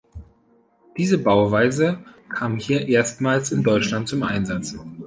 Diese Bauweise kam hier erstmals in Deutschland zum Einsatz.